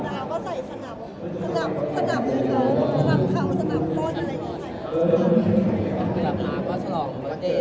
แต่เราก็อยากการเข้าไปไง